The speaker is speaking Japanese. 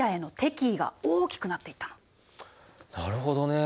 なるほどね。